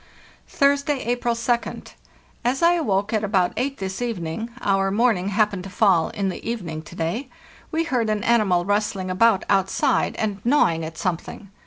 "Thursday, April 2d. As I awoke at about eight this evening (our morning happened to fall in the evening to day), we heard an animal rustling about outside and gnawing at something.